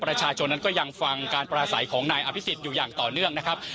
ประชาชนนั้นก็ยังฟังการปราศัยของนายอภิษฎอยู่อย่างต่อเนื่องนะครับ